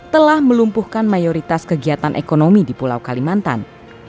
telah melumpuhkan mayoritas kegiatan ekonomi di pulau kalimantan